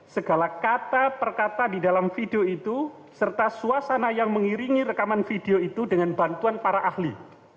segala kata perkata di dalam video itu serta suasana yang mengiringi rekaman video itu dengan bantuan para ahli